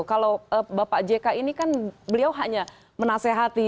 kalau bapak jk ini kan beliau hanya menasehati